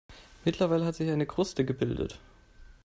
Mittlerweile hat sich eine Kruste gebildet.